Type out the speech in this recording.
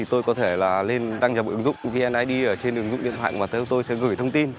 tôi có thể là lên đăng nhập ứng dụng vnid trên ứng dụng điện thoại mà tôi sẽ gửi thông tin